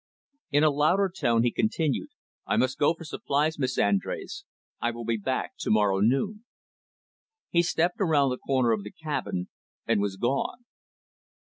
In a louder tone he continued. "I must go for supplies, Miss Andrés. I will be back to morrow noon." He stepped around the corner of the cabin, and was gone.